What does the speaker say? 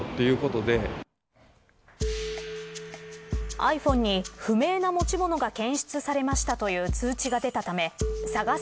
ｉＰｈｏｎｅに不明な持ち物が検出されましたという通知が出たため探す